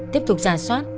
tiếp tục giả soát